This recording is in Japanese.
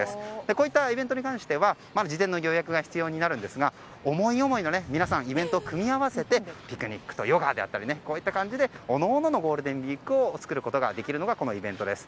こういったイベントに関しては事前の予約が必要になるんですが思い思いのイベントを組み合わせてピクニックとヨガであったりこんな感じで各々のゴールデンウィークを作ることができるのがこのイベントです。